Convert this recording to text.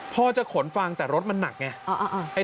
พ่อจะขนฟังแต่รถมันหนักไง